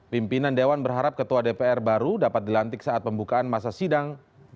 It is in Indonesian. pimpinan dewan berharap ketua dpr baru dapat dilantik saat pembukaan masa sidang dua ribu delapan belas